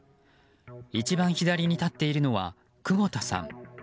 一番左に立っているのは久保田さん。